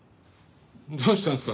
どうしたんですか？